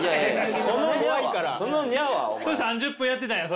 それ３０分やってたんや？